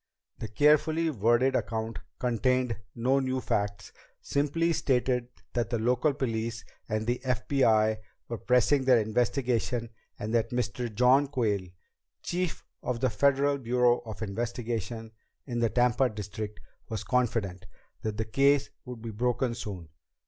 The carefully worded account contained no new facts, simply stated that the local police and the FBI were pressing their investigation and that Mr. John Quayle, chief of the Federal Bureau of Investigation in the Tampa district, was confident that the case would be broken soon.